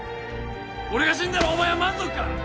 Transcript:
俺が死んだらお前は満足か？